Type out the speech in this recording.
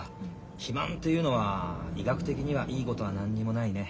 肥満っていうのは医学的にはいいことは何にもないね。